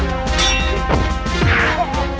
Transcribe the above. aduh aduh aduh aduh